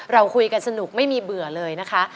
เราคุยกันสนุกไม่มีเบื่อเลยนะคะ